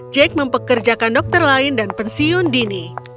jack mempekerjakan dokter lain dan pensiun dini